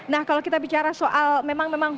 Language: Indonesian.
nah kalau kita bicara soal memang